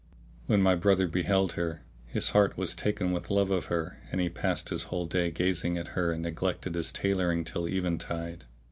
[FN#636] When my brother beheld her, his heart was taken with love of her and he passed his whole day gazing at her and neglected his tailoring till eventide.